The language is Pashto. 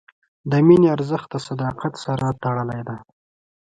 د مینې ارزښت د صداقت سره تړلی دی.